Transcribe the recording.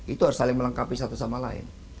itu harus saling melengkapi satu sama lain